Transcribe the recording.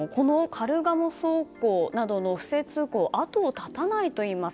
カルガモ走行などの不正通行は跡を絶たないといいます。